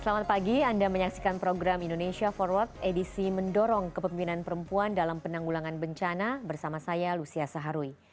selamat pagi anda menyaksikan program indonesia forward edisi mendorong kepemimpinan perempuan dalam penanggulangan bencana bersama saya lucia saharwi